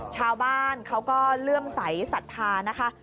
ชาวบ้านเขาก็เลื่อมใสสัทธานะคะ